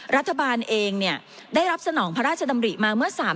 รัฐบาลเองได้รับสนองพระราชดำริมาเมื่อ๓๐